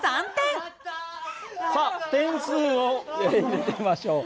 さあ点数を見てみましょう。